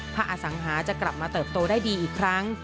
อสังหาจะกลับมาเติบโตได้ดีอีกครั้ง